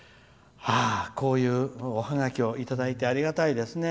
こういうおハガキをいただいてありがたいですね。